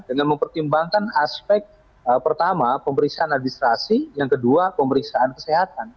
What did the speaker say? dengan mempertimbangkan aspek pertama pemeriksaan administrasi yang kedua pemeriksaan kesehatan